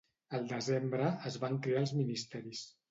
Al desembre, es van crear els ministeris.